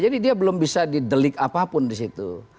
jadi dia belum bisa didelik apapun disitu